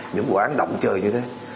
những vụ án động trời như thế